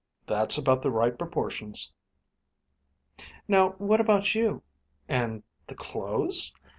"That's about the right proportions." "Now what about you? And the clothes?"